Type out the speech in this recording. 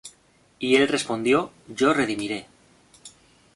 Y él respondió: Yo redimiré.